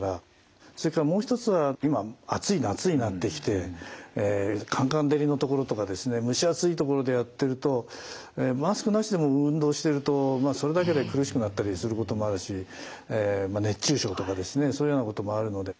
それからもう一つは今暑い夏になってきてカンカン照りのところとかですね蒸し暑いところでやってるとマスクなしでも運動してるとそれだけで苦しくなったりすることもあるし熱中症とかですねそういうようなこともあるので。